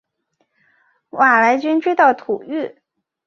瓦剌军追到土域。